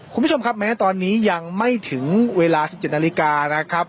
คุณผู้ชมครับแม้ตอนนี้ยังไม่ถึงเวลา๑๗นาฬิกานะครับ